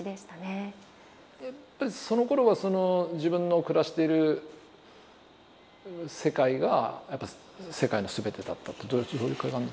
やっぱりそのころはその自分の暮らしてる世界がやっぱ世界の全てだったってどういう感じですかね。